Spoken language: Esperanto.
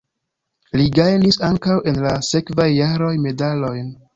Li gajnis ankaŭ en la sekvaj jaroj medalojn.